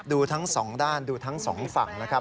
ดูทั้งสองด้านดูทั้งสองฝั่งนะครับ